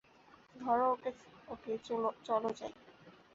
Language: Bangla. ধরো ওকে, চলো যাই!